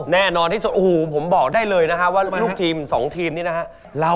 แน่นอนที่สุดโอ้โหผมบอกได้เลยนะฮะว่าลูกทีม๒ทีมนี้นะฮะ